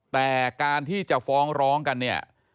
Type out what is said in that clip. แต่การที่จะฟ้องร้องกันเนี่ย